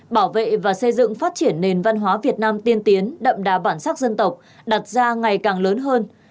bảo vệ và xây dựng phát triển nền văn hóa việt nam tiên tiến đậm đà bản sắc dân tộc đặt ra ngày càng lớn hơn